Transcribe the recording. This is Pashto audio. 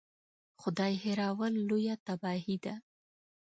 خدای هېرول لویه تباهي ده.